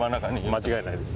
間違いないです。